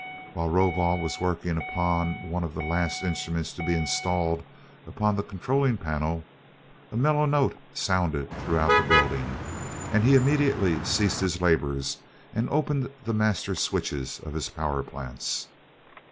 While Rovol was working upon one of the last instruments to be installed upon the controlling panel a mellow note sounded throughout the building, and he immediately ceased his labors and opened the master switches of his power plants.